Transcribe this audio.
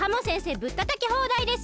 ぶったたきほうだいですよ。